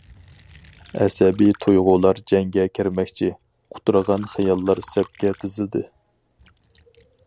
ئەسەبىي تۇيغۇلار جەڭگە كىرمەكچى، قۇترىغان خىياللار سەپكە تىزىلدى.